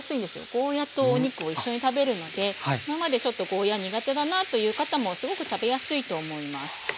ゴーヤーとお肉を一緒に食べるので今までちょっとゴーヤー苦手だなという方もすごく食べやすいと思います。